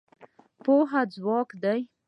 پوهه ځواک دی.